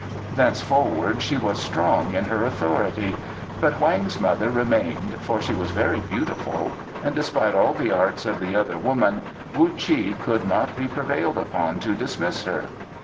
Thenceforward she was strong in her authority; but Weng's mother remained, for she was very beautiful, and despite all the arts of the other woman Wu Chi could not be prevailed upon to dismiss her.